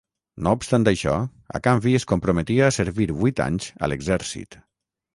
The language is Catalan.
No obstant això, a canvi es comprometia a servir vuit anys a l'exèrcit.